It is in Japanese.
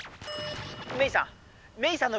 メイさん！